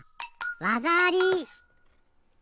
わざあり！